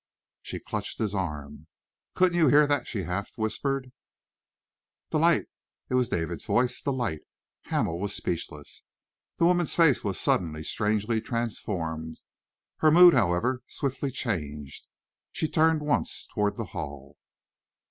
She clutched his arm. "Couldn't you hear that?" she half whispered. "'The light!' It was David's voice! 'The light!'" Hamel was speechless. The woman's face was suddenly strangely transformed. Her mood, however, swiftly changed. She turned once more towards the hall.